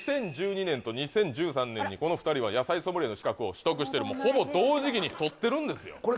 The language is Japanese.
２０１２年と２０１３年にこの２人は野菜ソムリエの資格を取得してるほぼ同時期に取ってるんですよ